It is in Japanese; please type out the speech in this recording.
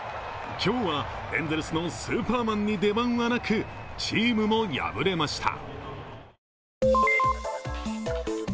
今日はエンゼルスのスーパーマンに出番はなく、チームも敗れました。